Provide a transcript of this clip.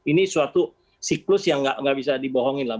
ini suatu siklus yang nggak bisa dibohongin lah